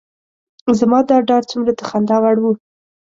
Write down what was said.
زما دا ډار څومره د خندا وړ و.